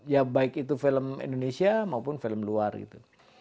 ya baik itu film indonesia maupun film luar gitu